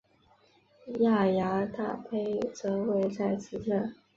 耶涯大坝则位在此镇。